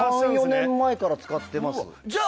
３４年前から使ってます。